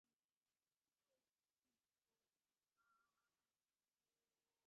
একটি আমাকে ছাড়িয়া গেল, একটিকে আমি ছাড়িলাম।